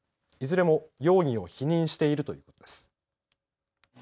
いずれも容疑を否認しているということです。